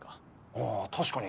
ああ確かに。